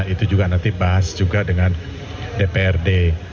itu juga nanti bahas juga dengan dprd